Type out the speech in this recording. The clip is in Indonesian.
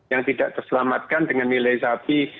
yang tidak terselamatkan dengan nilai sapi